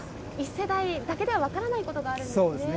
１世代だけでは分からないことがあるんですね。